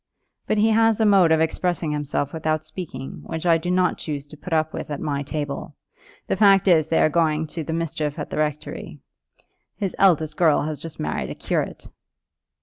"But he has a mode of expressing himself without speaking, which I do not choose to put up with at my table. The fact is they are going to the mischief at the rectory. His eldest girl has just married a curate."